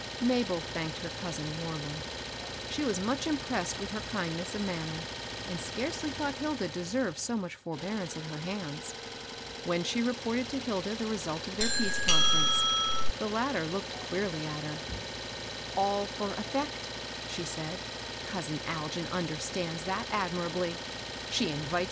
Mabel thanked her cousin warmly. She was much impressed with her kindness of manner, and scarcely thought Hilda deserved so much forbear ance at her hands. When she reported to Hilda the result of their peace conference, the latter looked queerly at her/ HILDA AND HER MYSTERY.